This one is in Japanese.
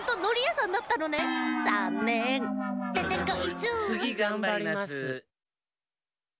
つぎがんばります。